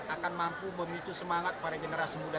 akan mampu memicu semangat para generasi muda